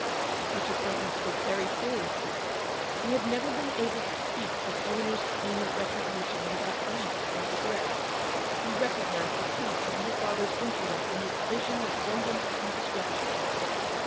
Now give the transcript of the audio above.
Richard Thornton spoke very seriously. He had never been able to speak of Eleanor's scheme of retribution without grief and regret. He recognised the taint of her father's influence in this vision of vengeance and destruction.